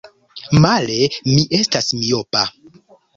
Male, mi estas miopa!